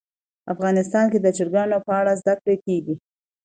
افغانستان کې د چرګان په اړه زده کړه کېږي.